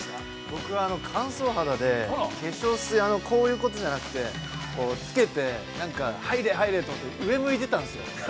◆僕乾燥肌で化粧水こういうことじゃなくてつけて、なんか、入れ入れと思って、上向いてたんですよ。